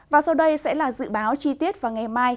và sau đây sẽ là dự báo chi tiết vào ngày mai